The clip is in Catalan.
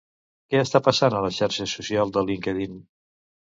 Què està passant a la xarxa social de LinkedIn?